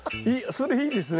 それいいですね。